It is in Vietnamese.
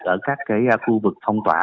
ở các khu vực phong tỏa